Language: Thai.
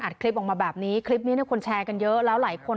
คลิปออกมาแบบนี้คลิปนี้เนี่ยคนแชร์กันเยอะแล้วหลายคน